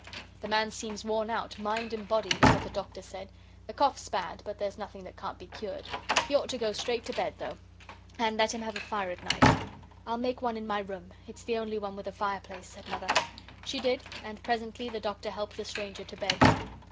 "The man seems worn out, mind and body," was what the Doctor said; "the cough's bad, but there's nothing that can't be cured. He ought to go straight to bed, though and let him have a fire at night." "I'll make one in my room; it's the only one with a fireplace," said Mother. She did, and presently the Doctor helped the stranger to bed.